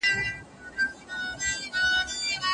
که خاوند نرم نه وي ميرمن مينه نه ورسره کوي.